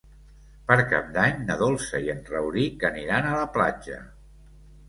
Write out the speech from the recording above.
Per Cap d'Any na Dolça i en Rauric aniran a la platja.